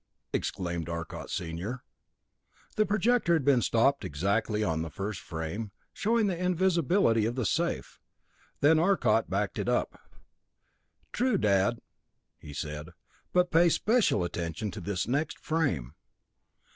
exclaimed Arcot, senior. The projector had been stopped exactly on the first frame, showing the invisibility of the safe. Then Arcot backed it up. "True, Dad," he said, "but pay special attention to this next frame."